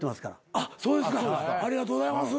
そうですかありがとうございます。